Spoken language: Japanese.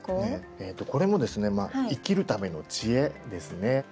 これもですね生きるための知恵ですね。